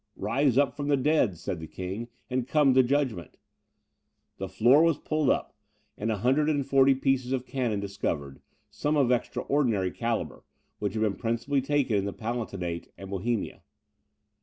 "Rise up from the dead," said the King, "and come to judgment." The floor was pulled up, and 140 pieces of cannon discovered, some of extraordinary calibre, which had been principally taken in the Palatinate and Bohemia.